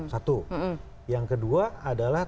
satu yang kedua adalah